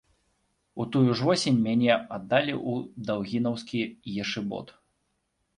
У тую ж восень мяне аддалі ў даўгінаўскі ешыбот.